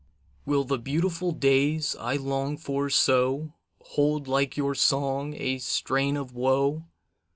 Will the beautiful days I long for so Hold like your song a strain of woe?